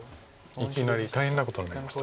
いきなり大変なことになりました。